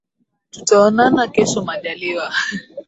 Tutaonana kesho majaliwa